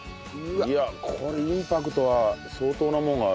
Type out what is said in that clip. いやこれインパクトは相当なもんがあるよ。